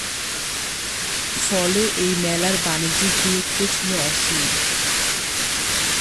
ফলে এই মেলার বাণিজ্যিক গুরুত্ব ছিল অসীম।